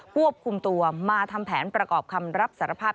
ควบคุมตัวมาทำแผนประกอบคำรับสารภาพ